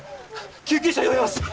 救急車呼びます